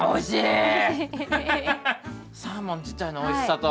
おいしい！